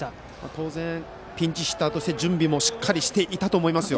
当然ピンチヒッターとして準備もしっかりできていたと思います。